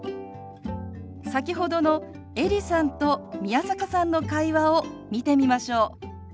先ほどのエリさんと宮坂さんの会話を見てみましょう。